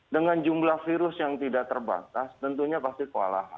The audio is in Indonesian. dengan jumlah virus yang tidak terbatas tentunya pasti kewalahan